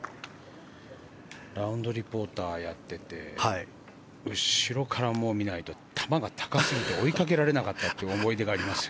ラウンドリポーターやってて後ろから見ないと球が高すぎて追いかけられなかった思い出がありますよ。